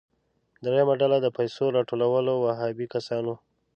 دریمه ډله د پیسو راټولولو وهابي کسان وو.